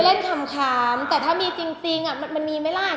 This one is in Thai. ขำแต่ถ้ามีจริงมันมีไหมล่ะ